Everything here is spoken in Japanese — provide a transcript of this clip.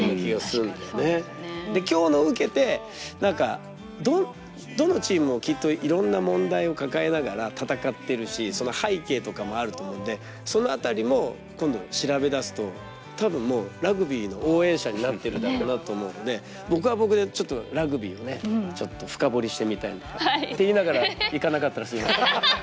今日のを受けて何かどのチームもきっといろんな問題を抱えながら戦ってるしその背景とかもあると思うのでその辺りも今度調べだすと多分もうラグビーの応援者になってるだろうなと思うので僕は僕でちょっとラグビーをねちょっと深掘りしてみたいなと。って言いながら行かなかったらすいません。